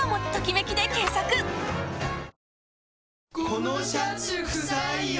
あこのシャツくさいよ。